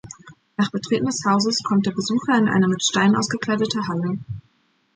Nach Betreten des Hauses kommt der Besucher in eine mit Stein ausgekleidete Halle.